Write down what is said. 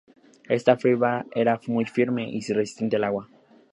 Esta fibra era muy firme y resistente al agua.